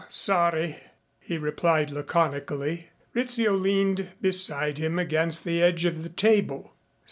Sorry," he replied laconically. Rizzio leaned beside him against the edge of the table.